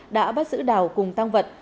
đã bắt giữ đào cùng tăng vật